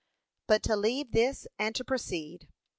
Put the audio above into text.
But to leave this and to proceed.